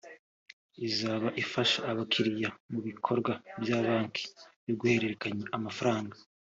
Izaba ifasha abakiriya mu bikorwa bya banki byo guhererekanya amafaranga